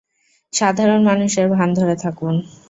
সাধারণ মানুষের ভান ধরে থাকুন।